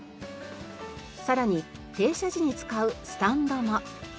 さらに停車時に使うスタンドも。